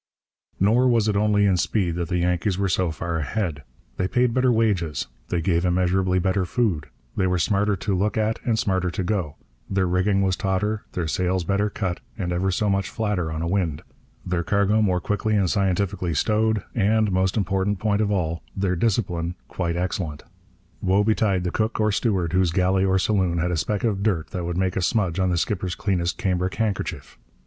Nor was it only in speed that the Yankees were so far ahead. They paid better wages, they gave immeasurably better food, they were smarter to look at and smarter to go, their rigging was tauter, their sails better cut and ever so much flatter on a wind, their cargo more quickly and scientifically stowed, and, most important point of all, their discipline quite excellent. Woe betide the cook or steward whose galley or saloon had a speck of dirt that would make a smudge on the skipper's cleanest cambric handkerchief!